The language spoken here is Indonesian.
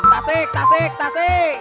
tasik tasik tasik